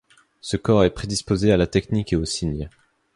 Ce corps est prédisposé à la technique et aux signes.